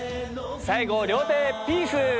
最後両手ピース！